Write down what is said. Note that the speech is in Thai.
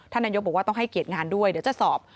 นายกบอกว่าต้องให้เกียรติงานด้วยเดี๋ยวจะสอบ